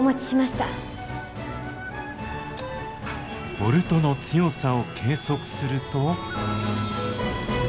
ボルトの強さを計測すると。